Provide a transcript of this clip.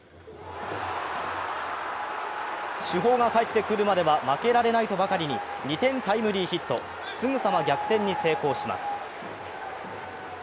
主砲が帰ってくるまでは負けられないとばかりに２点タイムリーヒット、すぐさま逆転に成功します。